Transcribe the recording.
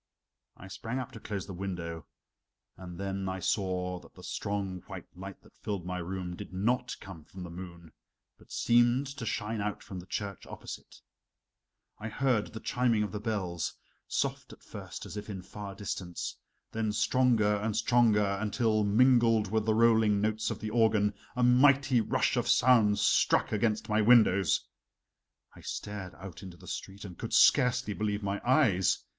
I sprang up to close the window, and then I saw that the strong white light that filled my room did not come from the moon, but seemed to shine out from the church opposite. I heard the chiming of the bells, soft at first, as if in far distance, then stronger and stronger until, mingled with the rolling notes of the organ, a mighty rush of sound struck against my windows. I stared out into the street and could scarcely believe my eyes.